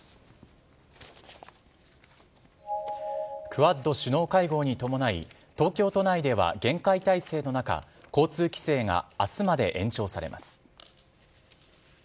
クアッド首脳会合に伴い、東京都内では厳戒態勢の中、交通規制があすまで延長されます。